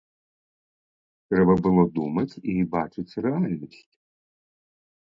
Трэба было думаць і бачыць рэальнасць.